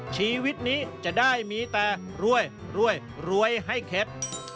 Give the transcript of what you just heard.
ชีวิตนี้จะได้มีแต่รวยรวยให้เคล็ด